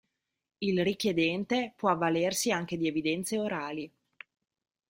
Il richiedente può avvalersi anche di evidenze orali.